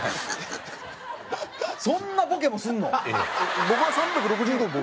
そんなボケもするの？